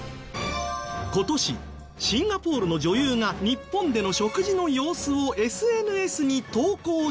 今年シンガポールの女優が日本での食事の様子をＳＮＳに投稿したら。